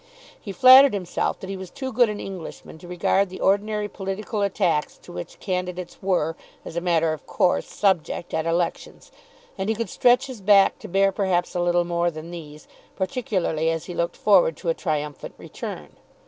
He flattered himself that he was too good an Englishman to regard the ordinary political attacks to which candidates were, as a matter of course, subject at elections; and he could stretch his back to bear perhaps a little more than these, particularly as he looked forward to a triumphant return.